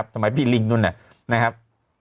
สมัยปีลิงนู้นน่ะนะครับ